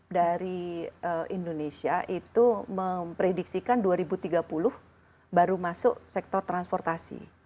jadi road map dari indonesia itu memprediksikan dua ribu tiga puluh baru masuk sektor transportasi